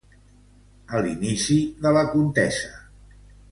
A l'inici de la contesa.